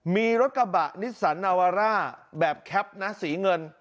มีรถกระบะนิสสันนาวาร่าแบบแคปนะสีเงิน